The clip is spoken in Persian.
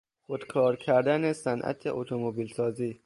خودکار کردن صنعت اتومبیل سازی